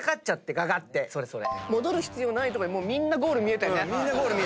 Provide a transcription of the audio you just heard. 戻る必要ないとこでみんなゴール見えたよね。